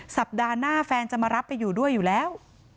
สัปดาห์หน้าแฟนจะมารับไปอยู่ด้วยอยู่แล้ว